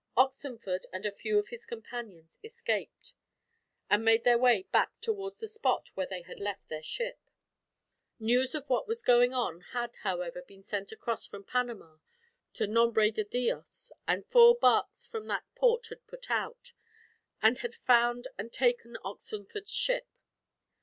Oxenford and a few of his companions escaped, and made their way back towards the spot where they had left their ship. News of what was going on had, however, been sent across from Panama to Nombre de Dios, and four barques from that port had put out, and had found and taken Oxenford's ship.